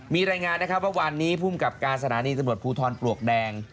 มีรายงานนะครับว่าวันนี้ภูมิกับการสถานีตำรวจภูทรปลวกแดง